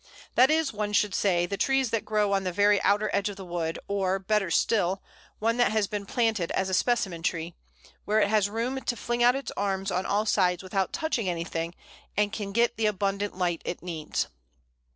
That is, one should say, the trees that grow on the very outer edge of the wood, or, better still, one that has been planted as a specimen tree, where it has room to fling out its arms on all sides without touching anything, and can get the abundant light it needs.